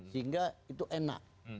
sehingga itu enak